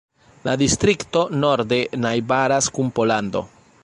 La distrikto norde najbaras kun Pollando.